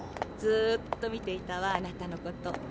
ずっと見ていたわあなたのこと。